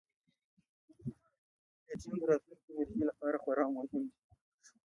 لیتیم د راتلونکي انرژۍ لپاره خورا مهم دی.